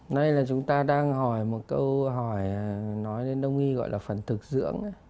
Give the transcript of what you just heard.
nay là chúng ta đang hỏi một câu hỏi nói đến đông nghi gọi là phần thực dưỡng